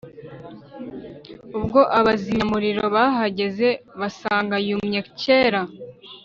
ubwo abazimyamuriro bahageze basanga yumye kera